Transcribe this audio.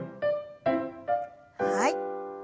はい。